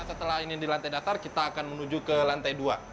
setelah ini di lantai dasar kita akan menuju ke lantai dua